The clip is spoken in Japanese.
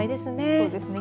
そうですね。